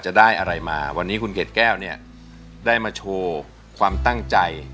จะได้อะไรมาวันนี้คุณเกดแก้วเนี่ยได้มาโชว์ความตั้งใจ